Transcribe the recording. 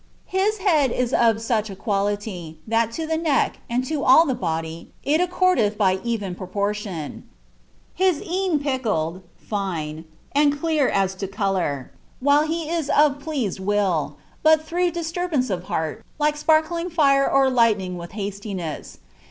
" Ilia head is Df auch quanlitj , that to lh6 neck, aod la all tUe boiy, ii accordeth by even proportion, ilis een pykel«d (fine), and clwti to colour, while he is of plcnaoU will, but ihroogh dislurb«nce of btin, like iparkling lire or lightning wiih hasLinegs.